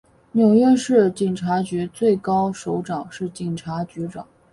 纽约市警察局最高首长是警察局长。